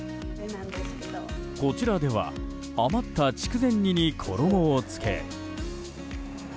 こちらでは余った筑前煮に衣をつけ。